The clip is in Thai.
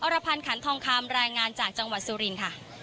รพันธ์ขันทองคำรายงานจากจังหวัดสุรินทร์ค่ะ